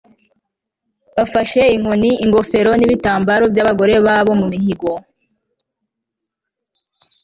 bafashe inkoni, ingofero, n'ibitambaro by'abagore babo mu mihigo